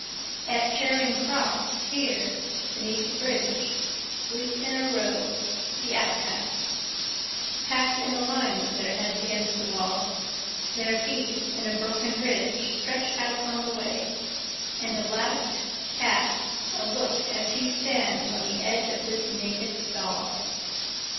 At Charing Cross, here, beneath the bridgeSleep in a row the outcasts, Packed in a line with their heads against the wall. Their feet, in a broken ridgeStretch out on the way, and a lout castsA look as he stands on the edge of this naked stall.